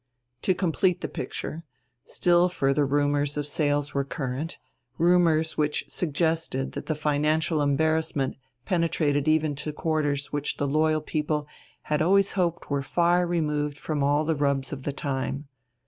To complete the picture: still further rumours of sales were current, rumours which suggested that the financial embarrassment penetrated even to quarters which the loyal people had always hoped were far removed from all the rubs of the time.